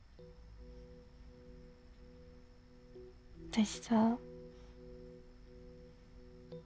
私さ。